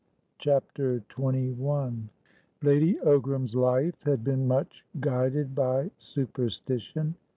CHAPTER XXI Lady Ogram's life had been much guided by superstition.